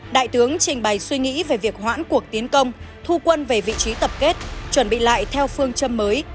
đại tướng trình bày suy nghĩ về việc hoãn cuộc tiến công thu quân về vị trí tập kết chuẩn bị lại theo phương châm mới